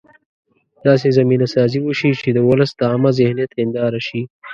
داسې زمینه سازي وشي چې د ولس د عامه ذهنیت هنداره شي.